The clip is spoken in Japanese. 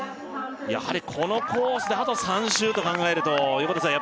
やはりこのコースであと３周と考えると横田さん